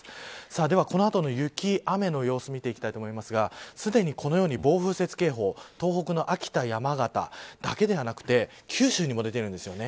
では、この後の雪、雨の様子を見ていきたいと思いますがすでに、このように暴風雪警報東北の秋田、山形だけでなくて九州にも出ているんですね。